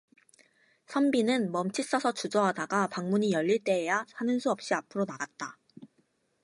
선비는 멈칫 서서 주저하다가 방문이 열릴 때에야 하는수 없이 앞으로 나갔다.